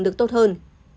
được tốt hơn